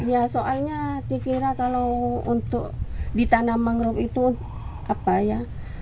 ya soalnya dikira kalau untuk ditanam mangrove itu apa ya